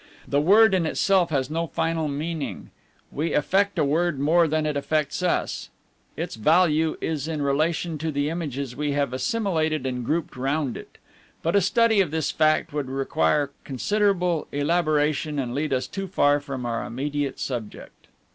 The word in itself has no final meaning; we affect a word more than it affects us; its value is in relation to the images we have assimilated and grouped round it; but a study of this fact would require considerable elaboration, and lead us too far from our immediate subject.